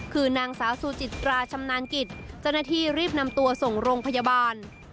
คือนางสาวซูจิตราชำนานกิจเจ้าหน้าที่รีบนำตัวส่งโรงพยาบาล